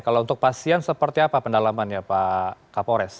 kalau untuk pasien seperti apa pendalaman ya pak kapores